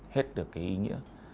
hết được cái ý nghĩa